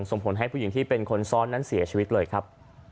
ส่งผลให้ผู้หญิงที่เป็นคนซ้อนนั้นเสียชีวิตเลยครับ